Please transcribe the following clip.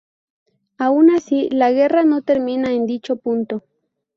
Aun así, la guerra no termina en dicho punto.